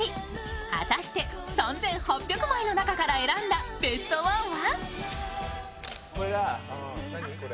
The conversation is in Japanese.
果たして３８００枚の中から選んだベストワンは？